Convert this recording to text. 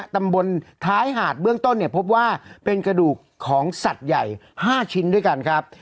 ตำบลท้ายหาดเบื้องต้นเนี่ยพบว่าเป็นกระดูกของสัตว์ใหญ่๕ชิ้นด้วยกันครับ